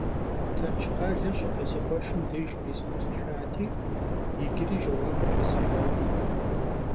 Terçkhale şı'e si khueşşım dêjj pismo stxati, yicıri jjeuapır khesıjjakhım.